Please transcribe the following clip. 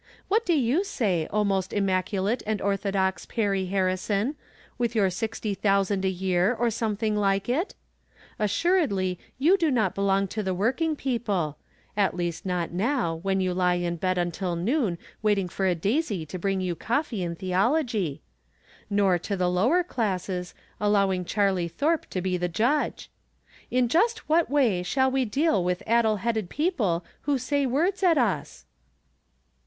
What do you say, oh, most immaculate and orthodox Perry Har rison, with your sixty thousand a year, or some thing like it ? Assuredly you do not belong to the working people (at least not now, when you lie in bed until noon waiting for a daisy to bring you coffee and theology), nor to the lower classes, allowing Charlie Thorpe to be the judge. In just what way shall we deal with addle headed people who say words at us